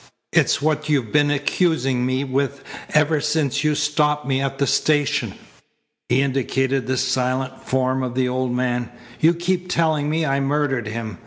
"It's what you've been accusing me with ever since you stopped me at the station." He indicated the silent form of the old man. "You keep telling me I murdered him.